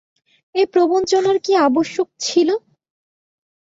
এ প্রবঞ্চনার কী আবশ্যক ছিল।